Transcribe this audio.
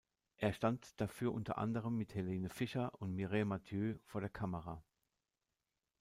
Er stand dafür unter anderem mit Helene Fischer und Mireille Mathieu vor der Kamera.